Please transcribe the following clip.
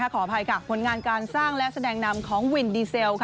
ขออภัยค่ะผลงานการสร้างและแสดงนำของวินดีเซล